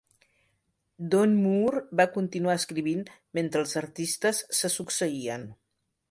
Don Moore va continuar escrivint mentre els artistes se succeïen.